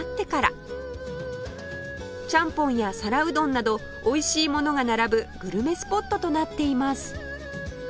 ちゃんぽんや皿うどんなどおいしいものが並ぶグルメスポットとなっています